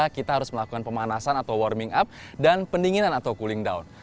kita harus melakukan pemanasan atau warming up dan pendinginan atau cooling down